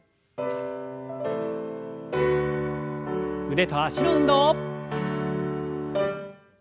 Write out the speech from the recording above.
腕と脚の運動。